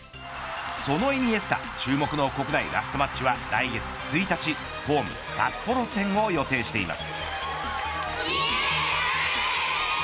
そのイニエスタ注目の国内ラストマッチは来月１日、ホーム札幌戦を予定しています。